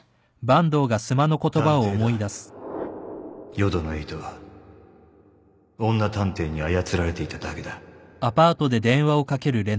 淀野瑛斗は女探偵に操られていただけだ